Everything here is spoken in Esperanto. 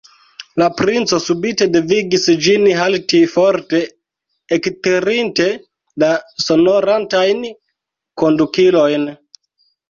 La princo subite devigis ĝin halti, forte ektirinte la sonorantajn kondukilojn.